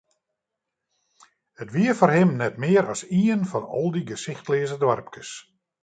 It wie foar him net mear as ien fan al dy gesichtleaze doarpkes.